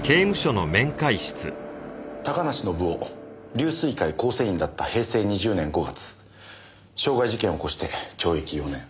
高梨宣夫龍翠会構成員だった平成２０年５月傷害事件を起こして懲役４年。